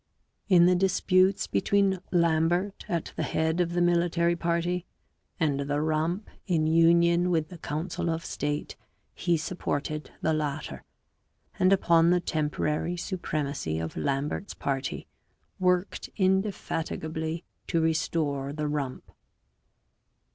In the disputes between Lambert at the head of the military party and the Rump in union with the council of state, he supported the latter, and upon the temporary supremacy of Lambert's party worked indefatigably to restore the Rump.